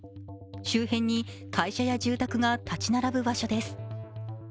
周辺に会社や住宅が建ち並ぶ場所です。